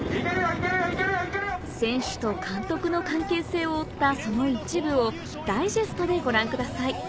選手と監督の関係性を追ったその一部をダイジェストでご覧ください